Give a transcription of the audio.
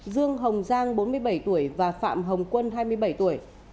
dương hồng giang bốn mươi bảy tuổi và phạm hồng quân hai mươi bảy tuổi